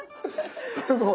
すごい。